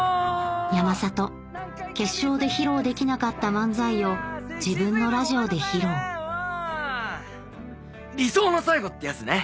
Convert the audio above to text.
山里決勝で披露できなかった漫才を自分のラジオで披露理想の最後ってやつね。